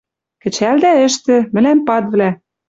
Кӹчӓл дӓ ӹштӹ! Мӹлӓм падвлӓ